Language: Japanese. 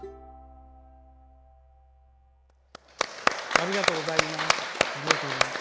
ありがとうございます。